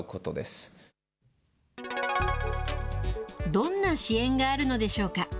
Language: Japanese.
どんな支援があるのでしょうか。